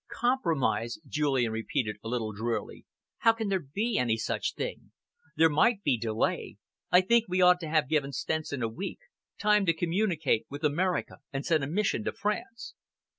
"Compromise!" Julian repeated a little drearily. "How can there be any such thing! There might be delay. I think we ought to have given Stenson a week time to communicate with America and send a mission to France."